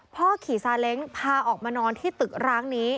พ่อขี่ซาเล้งพาออกมานอนที่ตึกร้างนี้